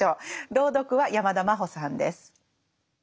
朗読は山田真歩さんです。